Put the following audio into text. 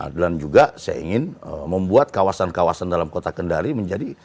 dan juga saya ingin membuat kawasan kawasan dalam kota kendari menjadi